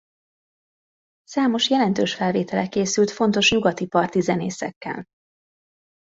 Számos jelentős felvétele készült fontos nyugati parti zenészekkel.